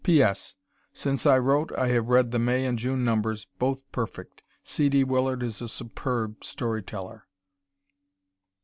P.S. Since I wrote I have read the May and June numbers both perfect. C. D. Willard is a superb storyteller.